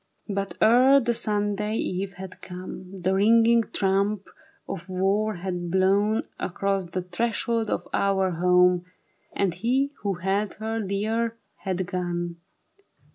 But ere the Sunday eve had come, The ringing trump of war had blown Across the threshold of our home. And he who held her dear had gone.